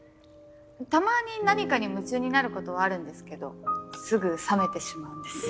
たまに何かに夢中になることはあるんですけどすぐ冷めてしまうんです。